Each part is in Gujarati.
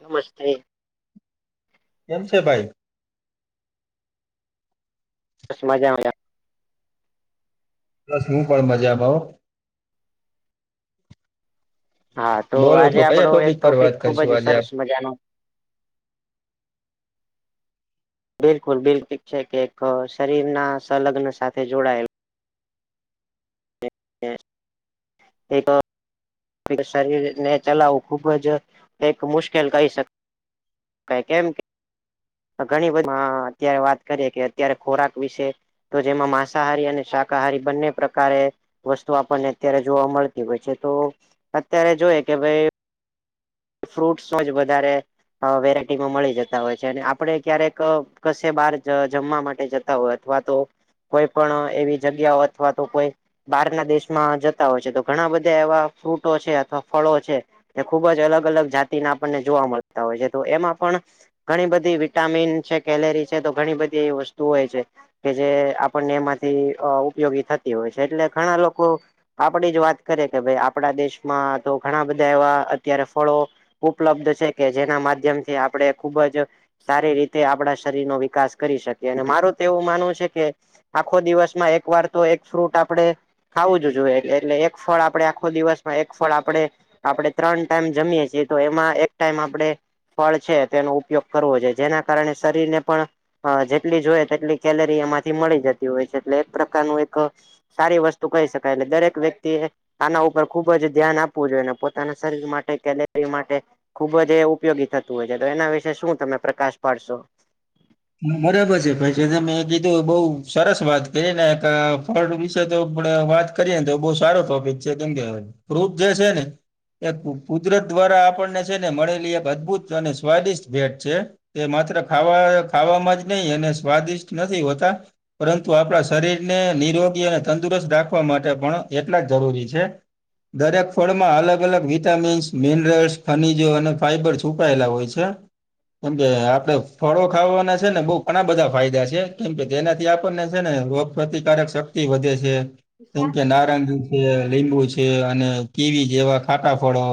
નમસ્તે કેમ છે ભાઈ બસ મજામાંજ બસ શું પણ મજા ભાવ હા તો બોલો આજે કયા આપડો એક પર ટોપિક વાત ખુબ કરીશું જ આજે આપ સરસ મજાનો બિલકુલ બિલકુ છે કે એક શરીર ના સંલગ્ન સાથે જોડાયેલ એક શરીરને ચલાવવું ખુબ જ એક મુશ્કેલ કહી શક ક કેમ કે ઘણી બધી અત્યારે વાત કરીએ કે અત્યારે ખોરાક વિશે તો જેમાં માંસાહારી અને શાકાહારી બંને પ્રકારે વસ્તુ આપણને અત્યારે જોવા મળતી હોય છે તો અત્યારે જોઈ કે ભાઈ ફ્રૂટોજ વધારે વેરાયટીમાં મળી જતા હોય છે અને આપડે ક્યારેક કશે બાર જમવા માટે જતા હોય અથવા તો કોઈ પણ એવી જગ્યાઓ અથવા તો કોઈ બહાર ના દેશમાં જતા હોય છે તો ઘણા બધા એવા ફ્રૂટો છે અથવા ફળો છે એ ખુબ જ અલગ અલગ જાતિના આપણને જોવા મળતા હોય છે તો એમાં પણ ઘણી બધી વિટામિન છે કેલેરી છે તો ઘણી બધી એવી વસ્તુ હોય છે કે જે આપણને એમાંથી ઉપયોગી થતી હોય છે એટલે ઘણા લોકો આપડી જ વાત કરીએ કે ભાઈ આપડા દેશમાં તો ઘણા બધા એવા અત્યારે ફળો ઉપલબ્ધ છે કે જેના માધ્યમથી આપણે ખુબ જ સારી રીતે આપણા શરીર નો વિકાસ કરી શકીએ અને મારું તો એવું માનવું છે કે આખો દિવસમાં એક વાર તો એક ફ્રૂટ આપડે ખાવું જ જોઈએ એટલે એક ફળ આપડે આખો દિવસમાં એક ફળ આપડે આપડણે ત્રણ ટાઈમ જમીએ છીએ તો એમાં એક ટાઈમ આપણે ફળ છે તેનો ઉપયોગ કરવો છે જેના કારણે શરીર ને પણ હ જેટલી જ હોય તેટલી કેલરી એમાંથી મળી જતી હોય છે એટલે એક પ્રકારનું એક સારી વસ્તુ કહી શકાય એટલે દરેક વ્યક્તિ એ આના ઉપર ખુબ જ ધ્યાન આપવું જોઈએ, અને પોતાના શરીર માટે કેલરી માટે ખુબ જ એ ઉપયોગી થતું હોય છે, તો એના વિશે શું તમે પ્રકાશ પાડશો હા બરાબર છે પછ તમે કીધું બઉ સરસ વાત કરીએ ને એક ફડ વિશે તો વાત કરીએને તો બહુ સારો ટોપિક છે કેમ કે પ્રુફ જે છે ને એક કુદરત દ્વારા આપણને છે ને મળેલી એક અદભુત અને સ્વાદિષ્ટ ભેટ છે. તે માત્ર ખાવા ખાવામાં જ નહીિ અને સ્વાદિષ્ટ નથી હોતા. પરંતુ આપણા શરીરને નિરોગી અને તંદુરસ્ત રાખવા માટે પણ એટલા જ જરૂરી છે. દરેક ફળમાં અલગ અલગ વિટામિન્સ મિનરલ્સ ખનીજો અને ફાઈબર છુપાયેલા હોય છે કેમ કે આપડે ફળો ખાવાના છે ને બ ઘણા બધા ફાયદા છે કેમ કે તેનાથી આપણને છે ને વપતિકારક શક્ વધે છે કેમ કે નારાયણજી લીંબુ છે અને કેવી જેવા ખાટા ફળો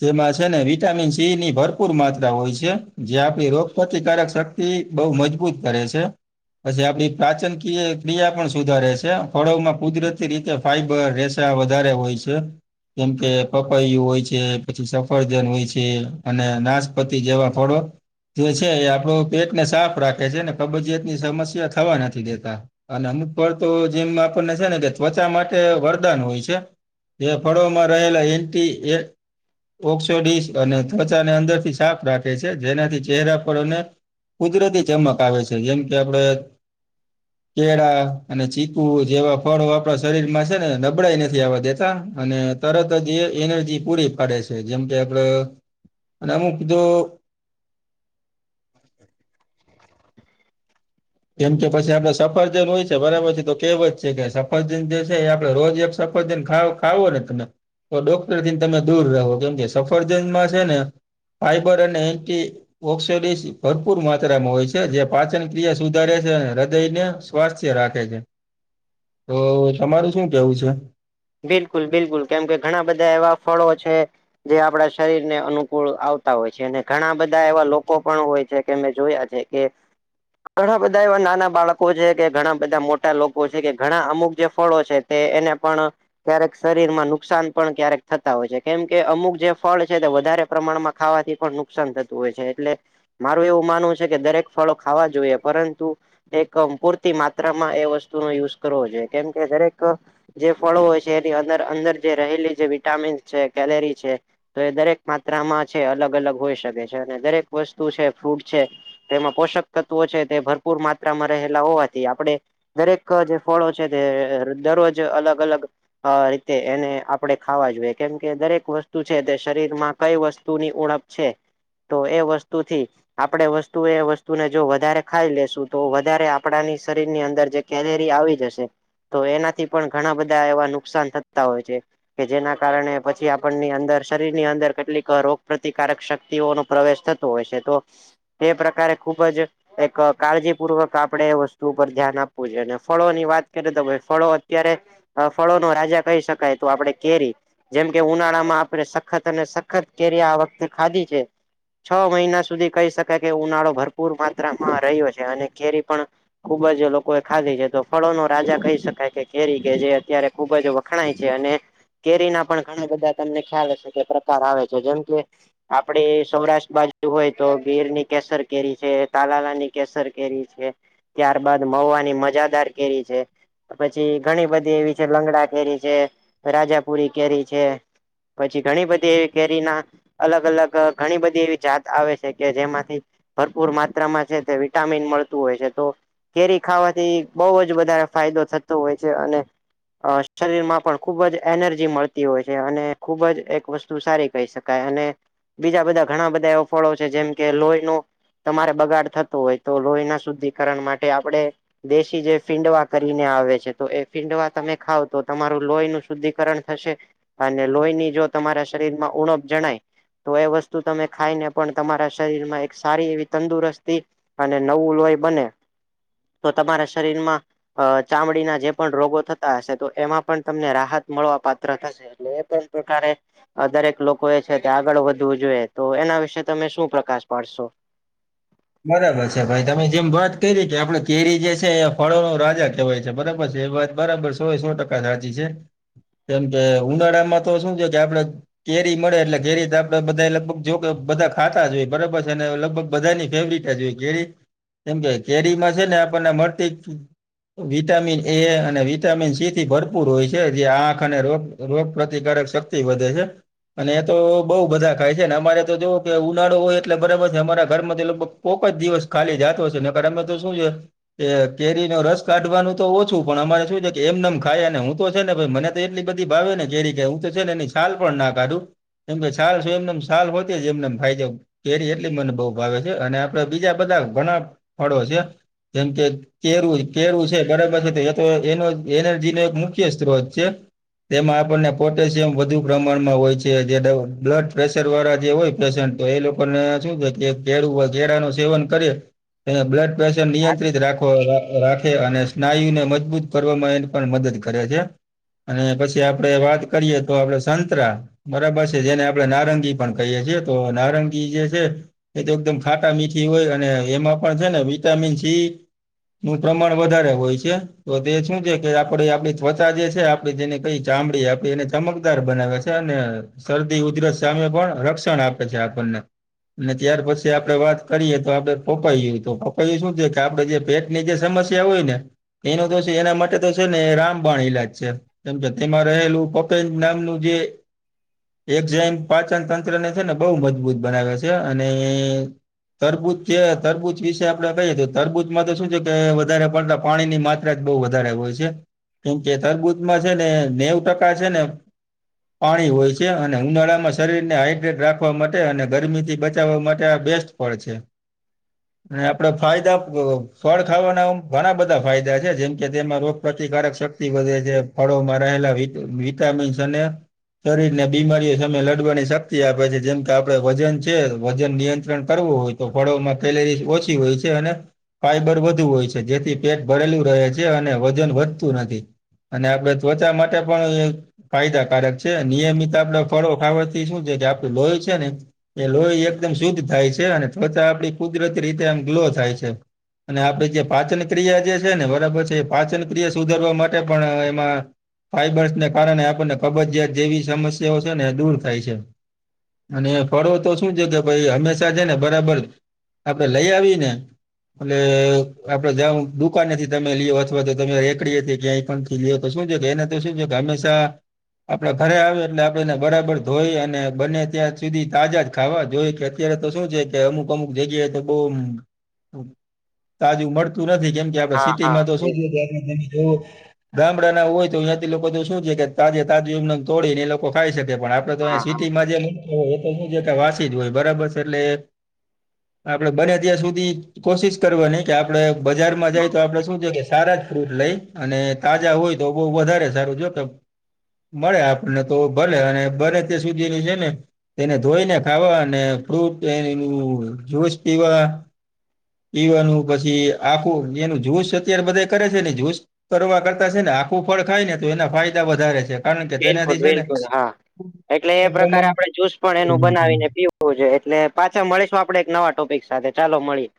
તેમાં છે ને વિટામિન સી ની ભરપૂર માત્રા હોય છે જે આપણી રોગ પ્રતિકારક શતિ બહુ મજબૂત કરે છે. પછી આપડી પ્રાચન ક ક્રિયા પણ સુધારે છે ફળવમાં કુદરતી રીતે ફાઈબર રેસા વધારે હોય છે. જેમ કે પપૈું હોય છે, પછી સફરદન હોય છે અને નાશપતિ જેવા થોડોક જે છે એ આપડું પેટને સાફ રાખે છેને, કબજીયાત ની સમસ્યા થવા નથી દેતા અને અમુક ફળ તો જેમ આપણને છે ને કે ત્વચા માટે વરદાન હોય છે. તે ફળોમાં રહેલા એન્ટી એ. ઓક્સો અને ત્વચાને અંદરથી સાફ રાખે છે જેનાથી ચહેરા પર. કુદરતી ચમક આવે છે જેમ કે આપડે. [inaudible] કેળા અને ચીકુ જેવા ફળો આપણા શરીર માં છે ને નબળાાઈ નથી આવા દેતા અને. તરત જ એ એનર્જી પૂરી પાડે છે જેમ કે આપડ અમુક જો. કેમ કે પછી આપડે સફરજન હોય છે બરાબર છે તો કેવ જ છે કે સફરજન જે છે એ આપણે રોજ એક. સફજને ખાવ ખાવો ને તમે. તો ડોક્ટર થીને તમે દૂર રહો કેમ કે સફરજનમાં છે ને. ફાઈબર અને એન્ટી ઓક્સોડ ભરપૂર માત્રામાં હોય છે જે પાચન ક્રિયા. સુધારે છે હૃદય ને સ્વાસ્થ્ય રાખે છે. તો તમારું શું કેવું છે. બિલકુલ બિલકુલ કેમ કે ઘણા બધા એવા ફળો છે. જે આપડા શરીરને અનુકૂળ આવતા હોય છે અને ઘણા બધા એવા લોકો પણ હોય છે કે મેં જોયા છે. એક. ઘણા બધા એવા નાના બાળકો છે કે ઘણા બધા મોટા લોકો છે કે ઘણા અમુક જે ફળો છે. તે એને પણ. ક્યારેક શરીર માં નુકસાન પણ ક્યારેક થતા હોય છે કેમ કે અમુક જે ફળ છે તે વધારે પ્રમાણમાં. ખાવાથી પણ નુકસાન થતું હોય છે એટલે. મારું એવું માનવું છે કે દરેક ફળો ખાવા જોઈએ પરંતુ. એક પૂરતી માત્રામાં એ વસ્તુનો યુઝ કરવો જોઈએ કેમ કે દરેક જે ફળો હોય છે. જેની અંદર અંદર જે રહેલી જે વિટામીન છે કેલરી છે. તો એ દરેક માત્રામાં છે અલગ અલગ હોઈ શકે છે અને દરેક વસ્તુ છે ફ્રૂટ છે. તેમાં પોષક તત્વો છે તે ભરપૂર માત્રામાં રહેલા હોવાથી આપણે. દરેક જે ફળો છે તે દરરોજ અલગ અલગ. અ રીતે એને આપણે ખાવા જોઈએ કેમ કે દરેક વસ્તુ છે તે શરીર માં કઈ વસ્તુની ઉણપ. છે તો એ વસ્તુથી. આપણે વસ્તુ એ વસ્તુને જો વધારે ખાઈ લેશું તો વધારે આપણાની શરીરની અંદર જે. કેલેરી આવી જશે તો એનાથી પણ ઘણા બધા એવા નુકસાન થતા હોય છે. કે જેના કારણે પછી આપણની અંદર શરીરની અંદર કેટલીક રોગ પ્રતિકારક શક્તિઓનો. પ્રવેશ થતો હોય છે તો તે પ્રકારે ખુબજ. એક કાળજીપૂર્વક આપડણે એ વસ્તુ ઉપર ધ્યાન આપવું જોઈએ અને ફળો ની વાત કરીએ તો ભાઈ ફળો અત્યારે. ફળોનો રાજા કહી શકાય તો આપડે કેરી. જેમ કે ઉનાળા માં આપણે સખત અને સખત કેરી આ વખતે ખાધી છે. છ મહિના સુધી કહી શકાય કે ઉનાળો ભરપૂર માત્રામાં રહ્યો છે અને કેરી પણ ખુબ જ લોકો એ ખાધી છે તો ફળો ન રાજા કહી શકાય કે કેરી કે જે અત્યારે ખુબજ વખણાય છે અને. કેરી ના પણ ઘણા બધા તમને ખ્યાલ હશે કે પ્રકાર આવે છે જેમ કે. આપડીે સૌરાષ્ટ્ર બાજુ હોય તો ગીર ની કેસર કેરી છે તાલાલાની કેસર કેરી છે. ત્યારબાદ મહવાની મજાદાર કેરી છે પછી ઘણી બધી એવી. લંગડા કેરી છે રાજાપુરી કેરી છે. પછી ઘણી બધી કેરીના. અલગ અલગ ઘણી બધી એવી જાત આવે છે કે જેમાંથી. ભરપૂર માત્રામાં છે તે વિટામિન મળતું હોય છે તો. કેરી ખાવાથી બહુંજ વધારે ફાયદો થતો હોય છે અને અ શરીર માં પણ ખૂબજ એનર્જી મળતી હોય છે અને ખુબજ એક વસ્તુ સારી કહી શકાય અને બીજા બધા ઘણા બધા એવા ફળો છે જેમ કે લોહી નુ તમારે બગાડ થતો હોય તો લોહીના શુદ્ધિકરણ માટે આપણે દેશી જે ફીંડવા કરીને આવે છે તો એ ફીંડવા તમે ખાવ તો તમારું લોહી નું શુદ્ધિકરણ થશે. અને લોહીની જો તમારા શરીરમાં ઉણપ જણાય તો એ વસ્તુ તમે ખાઈને પણ તમારા શરીરમાં એક સારી એવી તંદુરસ્તી અને નવું લોય બને તો તમારા શરીરમાં અ ચામડીના જે પણ રોગો થતા હશે તો એમાં પણ તમને રાહત મળવા પાત્ર થશે એટલે એ પણ પ્રકારે દરેક લોકો એ છે તે આગળ વધવું જોઈએ તો એના વિશે તમે શું પ્રકાશ પાડશો? બરાબર છે ભાઈ તમે જેમ વાત કરી કે આપડે કેરી જે છે એ ફળો નો રાજા કેહેવાય છે બરાબર છે એ વાત. બરાબર સો સો ટકા સાચી છે કેમ કે ઉનાળામાં તો શું છે કે આપડે કેરી મળે એટલે કેરી તો આપડે બધા લગભગ જો કે બધા ખાતા જ હોય બરાબર છે અને લગભગ બધાની કેરી કેમ કે કેરીમાં છે ને આપણને મળતી વિટામિન એ અને વિટામિન સી થી ભરપૂર હોય છે જે આંખ અને રોગ રોગ પ્રતિકારક શક્તિ વધે છે. અને એ તો બઉ બધા ખાય છે ને અમારે તો જોવ કે ઉનાળો હોય એટલે બરાબર છે અમારા ઘરમાં થી લોકો કોક જ દિવસ ખાલી જતો હશે નેકર અમે તો શું છે. એ કેરી નો રસ કાઢવાનું તો ઓછું પણ અમારે શું છે કે એમનેમ ખાયને હું તો છે ને મને એટલી બધી ભાવે ને કેરી કે હું તો છે ને એની છાલ પણ ના કાઢું. એમ કે છાલ શું એમને છાલ વધે છે એમનેમ ફાય કેરી એટલી મને બહું ભાવે છે અને આપડે બીજા બધા ઘણા ફળો છે જેમ કે કેરું કેરું છે બરાબર છે તો એ તો એનો એનરજીનો એક મુખ્ય સ્ત્રોત છે તેમાં આપણને પોટેશિયમ વધુ પ્રમાણમાં હોય છે જે બ્લડ પ્રેશર વાળા જે હોય પેશન્ટ તો એ લોકો ને શું છે કે કેળું કેરાનું સેવન કરે તે બ્લડ પ્રેશર નિયંત્રિત રાખ અ રાખે અને સ્નાયુને મજબૂત કરવામાં એને પણ મદદ કરે છે. અને પછી આપડે વાત કરીએ તો આપડે સંતરા બરાબર છે જેને આપડણે નારંગી પણ કહીએ છીએ તો નારંગી જે છે એ તો એકદમ ખાટા મીઠી હોય અને એમાં પણ છે ને વિટામિન સી નું પ્રમાણ વધારે હોય છે તો તે શું છે કે આપડે આપડી ત્વચા જે છે આપે જેને કઈ ચામડી આપે એને ચમકદાર બનાવે છે અને શરદી ઉદરસ સામે પણ રક્ષણ આપે છે આપણને અને ત્યાર પછી આપડે વાત કરીએ તો આપડે પપાયુ તો પપાયુ શું છે કે આપડે જે પેટની જે સમસ્યા હોય ને એનું તો છે એના માટે તો છે ને રામબાણ ઈલાજ છે તેમ કે તેમાં રહેલું પોપેજ નામનું જે એક જેમ પાચન તંત્રને છે ને બહુ મજબૂત બનાવે છે અને એ તરબૂજ છે તરબૂચ વિશે આપડે કહીએ તો તરબૂચમાં તો શું છે કે વધારે પડતા પાણીની માત્રા બહું વધારે હોય છે કેમકે તરબૂદમાં છે ને નેવુ ટકા છે ને પાણી હોય છે અને ઉનાળામાં શરીરને હાઈડ્રેટ રાખવા માટે અને ગરમીથી બચાવવા માટે બેસ્ટ પડે છે. [inaudible] અને આપડે ફાયદા ફળ ખાવાના ઘણા બધા ફાયદા છે જેમ કે તેમાં રોગ પ્રતિકારક શક વધે જે ફળોમાં રહેલા વિટામિન્સ અને શરીર ને બીમારીઓ સામે લડવાની શક્તિ આપે છે. જેમ કે આપડે વજન છે વજન નિયંત કરવું હોય તો ફળોમાં કેલેરી ઓછી હોય છે અને ફાઈબર વધુ હોય છે જેથી પેટ ભળેલું રહે છે અને વજન વધતું નથી. અને આપડે ત્વચા માટે પણ અય ફાયદાકારક છે નિયમિત આપડુ ફળો ખાવાથી શું છે કે આપડું લોય છે ને એ લોહી એકદમ શુદ્ધ થાય છે અને ત્વચા આપડી કુદરતી રીતે આમ ગ્લો થાય છે. અને આપડી જે પાચન ક્રિયા જે છે ને બરાબર છે એ પાચન ક્રિયા સુધારવા માટે પણ એમાં ફાઈબર્સને કારણે આપણને કબજીયાત જેવી સમસ્યાઓ છે ને દૂર થાય છે. અને ફળો તો શું છે કે ભાઈ હંમેશા છે ને બરાબર આપે લઈ આવી ને એટલે આપડે જં દુકાનેથી તમે લ અથવા તો તમે રેકડી હતી ક્યાંય પણ તો શું છેક ને તો શું છે હંમેશા આપણે ઘરે આવે એટલે આપણે એને બરાબર ધોઈ અને બંને ત્યાં સુધી તાજા જ ખાવા જોઈએ કે અત્યારે તો શું છે કે અમુક અમુક જગ્યાએ તો બહ તાજું મળતું નથી કેમ ત આપ હા સિટી હા માં તો શું જોવું ગામડા ના હોય તો તંથી લોકો તો શું છે કે તાજે તાજમ તોડીને એ લોકો ખાઈ શકે પણ હા હા સિટીમાં જેક હોય એ તો શ છે વાસી જ હોય બરાબર છે. એટલે આપણે બને ત્યાં સુધી કોશિશ કરવાની કે આપણે બજારમાં જાય તો આપણે શું છે કે સારા જ ફ્રુટ લઈ અને તાજા હોય તો બઉ વધારે સારું જો કે મળે આપણને તો ભલે અને બને ત્યાં સુધીની છે ને તેને ધોઈને ખાવા અને ફ્રૂટ એ જ્યુસ પીવા પીવાનું પછી આખું એનું જૂસ અત્યારે બધા કરે છે ને જૂસ કરવા કરતા છે ને આખું ફળ ખાય ને તો એના ફાયદા વધારે છે. કારણ કે બિલકુલ તેનાથી છે ને બિલકુલ હા એટલે એ પ્રકારે આપણે જુસ પણ એનું બનાવીને પીવુ શું છે એટલે પાછા મળીશું આપડે એક નવા ટોપિક સાથે ચાલો મળીએ